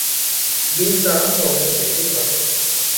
বীজ দ্বারা বংশবৃদ্ধি ঘটে।